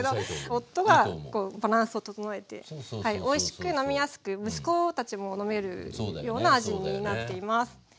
夫がこうバランスを整えておいしく飲みやすく息子たちも飲めるような味になっています。